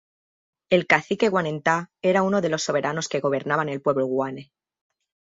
El cacique Guanentá era uno de los soberanos que gobernaban el pueblo guane.